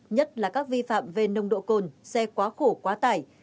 nhất là các vi phạm về nồng độ cồn xe quá khổ quá tải